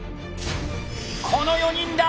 この４人だ！